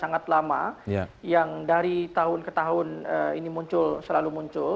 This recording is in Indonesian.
karena ini adalah rencana yang sudah sangat lama yang dari tahun ke tahun ini muncul selalu muncul